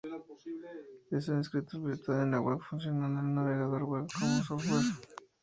Es un escritorio virtual en la web, funcionando en un navegador web como software.